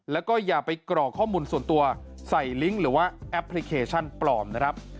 แล้วก็อย่าไปกรอกข้อมูลส่วนตัวใส่ลิงก์หรือว่าแอปพลิเคชันปลอมนะครับ